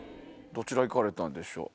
どちら行かれたんでしょう？